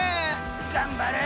頑張れ！